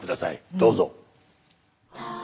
どうぞ。